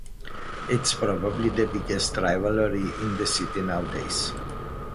It's probably the biggest rivalry in the city nowadays.